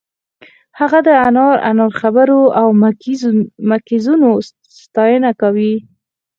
هغه د انار انار خبرو او مکیزونو ستاینه کوي